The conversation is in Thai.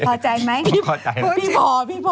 พอใจไหม